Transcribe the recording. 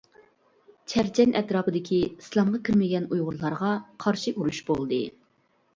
چەرچەن ئەتراپىدىكى ئىسلامغا كىرمىگەن ئۇيغۇرلارغا قارشى ئۇرۇش بولدى.